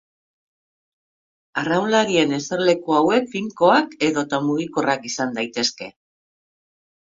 Arraunlarien eserleku hauek finkoak edota mugikorrak izan daitezke.